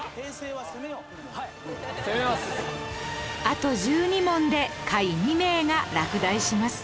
あと１２問で下位２名が落第します